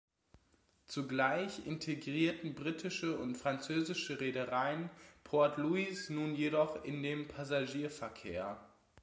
Zugleich integrierten britische und französische Reedereien Port Louis nun jedoch in den Passagierverkehr.